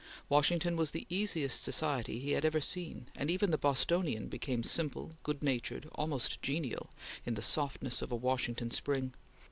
Washington was the easiest society he had ever seen, and even the Bostonian became simple, good natured, almost genial, in the softness of a Washington spring.